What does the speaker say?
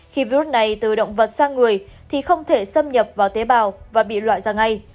khi virus này từ động vật sang người thì không thể xâm nhập vào tế bào và bị loại ra ngay